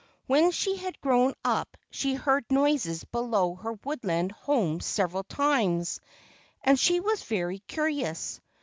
When she had grown up she heard noises below her woodland home several times, and she was very curious.